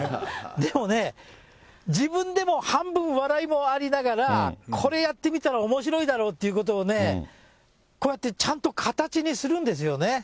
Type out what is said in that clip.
でもね、自分でも半分笑いもありながら、これやってみたらおもしろいだろうということをね、こうやってちゃんと形にするんですよね。